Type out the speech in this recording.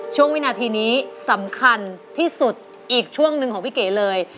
วินาทีนี้สำคัญที่สุดอีกช่วงหนึ่งของพี่เก๋เลย